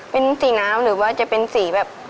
เป็นสีน้ำหรือว่าจะเป็นสีแบบ